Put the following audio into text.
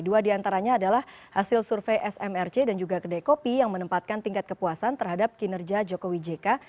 dua diantaranya adalah hasil survei smrc dan juga kedai kopi yang menempatkan tingkat kepuasan terhadap kinerja jokowi jk